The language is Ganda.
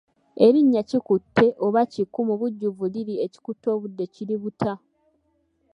Erinnya Kikutte oba kiku mubujjuvu liri Ekikutte obudde kiributa.